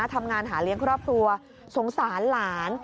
ทำงานหาเลี้ยงครอบครัวสงสารหลาน